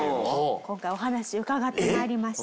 今回お話伺って参りました。